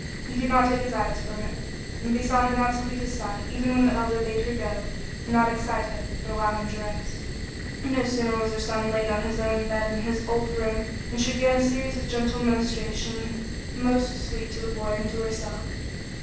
He could not take his eyes from it, and besought her not to leave his side, even when the Elder bade her go and not excite him, but allow him to rest. No sooner was her son laid on his own bed in his old room than she began a series of gentle ministrations most sweet to the boy and to herself.